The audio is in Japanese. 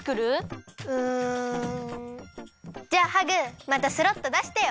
うんじゃあハグまたスロットだしてよ！